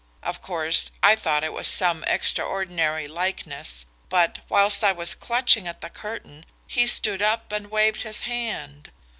Of course, I thought it was some extraordinary likeness, but, whilst I was clutching at the curtain, he stood up and waved his hand.